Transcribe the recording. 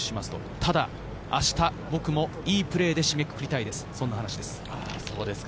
ただ明日、僕もいいプレーで締めくくりたいですと話しています。